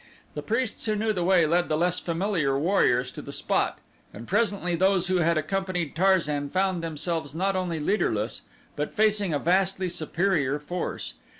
The priests who knew the way led the less familiar warriors to the spot and presently those who had accompanied Tarzan found themselves not only leaderless but facing a vastly superior force.